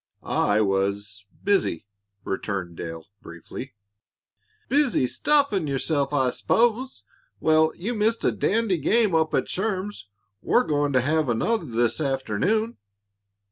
"I was busy," returned Dale, briefly. "Busy stuffing yourself, I s'pose. Well, you missed a dandy game up at Sherm's. We're going to have another this afternoon."